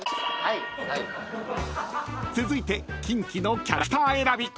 ［続いてキンキのキャラクター選び］